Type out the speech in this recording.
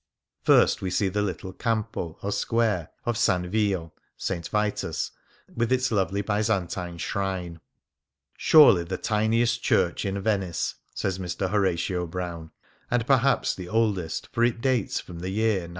First we see the little campo, or square, of S. Vio (St. Vitus), with its lovely Byzantine shrine — "surely the tiniest church in Venice," says Mr. Horatio Brown, "and perhaps the oldest, for it dates from the year 917."